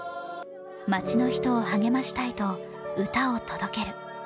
町の人を励ましたいと歌を届ける。